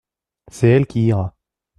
C’est elle qui ira.